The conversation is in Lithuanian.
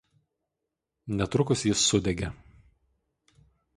Netrukus jis sudegė.